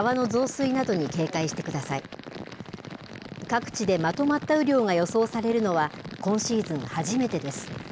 各地でまとまった雨量が予想されるのは、今シーズン初めてです。